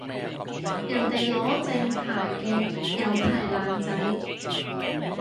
人哋攞正牌嘅有牌爛仔